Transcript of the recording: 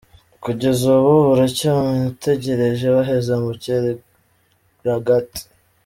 Kugeza ubu baracyamutegereje baheze mu cyeragati.